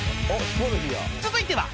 ［続いては］